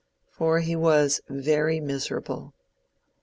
For he was very miserable.